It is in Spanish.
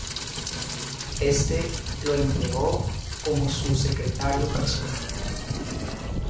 Éste lo empleó como su secretario personal.